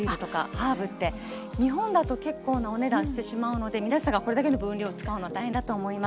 日本だと結構なお値段してしまうので皆さんがこれだけの分量使うのは大変だと思います。